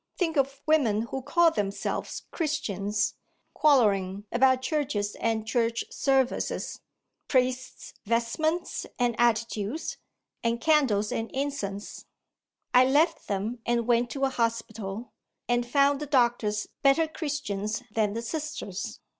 Think of women who call themselves Christians, quarrelling about churches and church services priest's vestments and attitudes, and candles and incense! I left them, and went to a hospital, and found the doctors better Christians than the Sisters.